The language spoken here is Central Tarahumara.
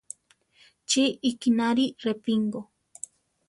Chi ikínari Repingo.